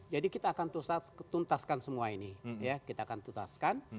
jadi kita akan tutaskan semua ini kita akan tutaskan